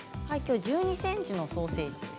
１２ｃｍのソーセージです。